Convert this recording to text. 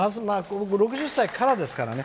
６０歳からですからね。